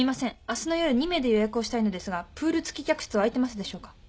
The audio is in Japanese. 明日の夜２名で予約をしたいのですがプール付き客室は空いてますでしょうか？